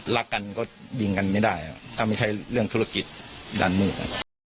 รักกันก็ยิงกันไม่ได้ถ้าไม่ใช่เรื่องธุรกิจดันมืด